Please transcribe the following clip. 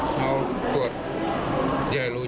แล้วขั้นตอนในกลางตรวจหาเชื้อมันยุ่งยากไหมครับพี่